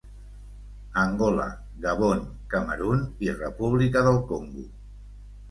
Angola, Gabon, Camerun i República del Congo.